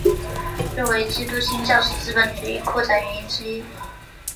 认为基督新教是资本主义扩展原因之一。